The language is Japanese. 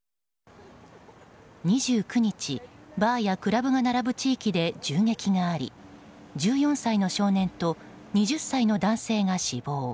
２９日、バーやクラブが並ぶ地域で銃撃があり１４歳の少年と２０歳の男性が死亡。